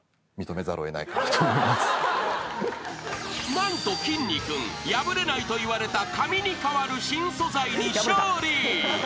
［何ときんに君破れないといわれた紙に代わる新素材に］